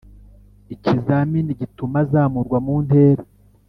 Ikizamini gituma azamurwa mu ntera